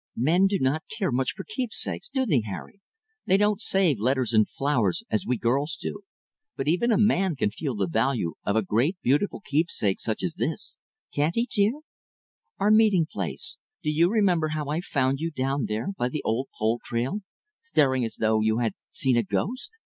"Men do not care much for keepsakes, do they, Harry? they don't save letters and flowers as we girls do but even a man can feel the value of a great beautiful keepsake such as this, can't he, dear? Our meeting place do you remember how I found you down there by the old pole trail, staring as though you had seen a ghost?